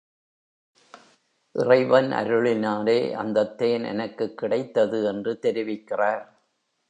இறைவன் அருளினாலே அந்தத் தேன் எனக்குக் கிடைத்தது என்று தெரிவிக்கிறார்.